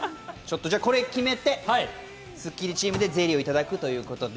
これを決めて、スッキリチームでゼリーをいただくということで。